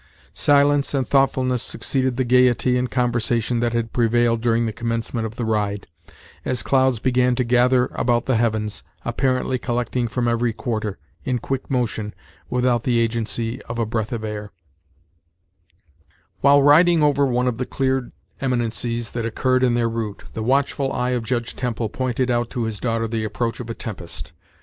Silence and thoughtfulness succeeded the gayety and conversation that had prevailed during the commencement of the ride, as clouds began to gather about the heavens, apparently collecting from every quarter, in quick motion, without the agency of a breath of air, While riding over one of the cleared eminencies that occurred in their route, the watchful eye of Judge Temple pointed out to his daughter the approach of a tempest.